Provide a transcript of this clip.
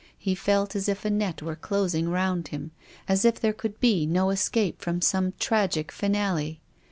He felt as if a net were closing round him, as if there could be no escape from some tragic finale.